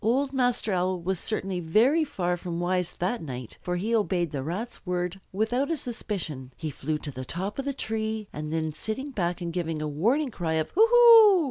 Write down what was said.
Old Master Owl was certainly very far from wise that night, for he obeyed the Rat's word without a suspicion. He flew to the top of the tree, and then, sitting back and giving a warning cry of "Hoo hoo!"